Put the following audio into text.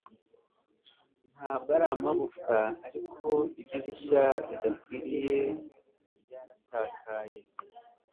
Ntabwo ari amagufwa ariko idirishya ridakwiriye ryarasakaye